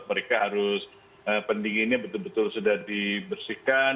mereka harus pendinginnya betul betul sudah dibersihkan